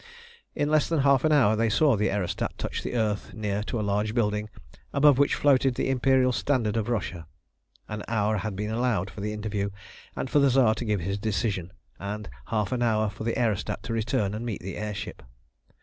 In less than half an hour they saw the aerostat touch the earth near to a large building, above which floated the imperial standard of Russia. An hour had been allowed for the interview and for the Tsar to give his decision, and half an hour for the aerostat to return and meet the air ship.